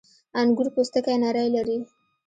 • انګور پوستکی نری لري.